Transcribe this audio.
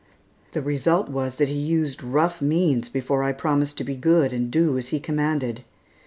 The result was that he used rough means before I promised to be good and do as he commanded.